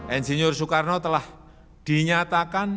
insinyur soekarno telah dinyatakan